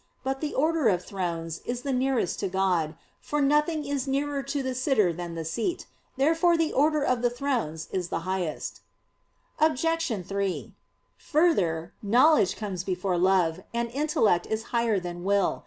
But the order of "Thrones" is the nearest to God; for nothing is nearer to the sitter than the seat. Therefore the order of the "Thrones" is the highest. Obj. 3: Further, knowledge comes before love, and intellect is higher than will.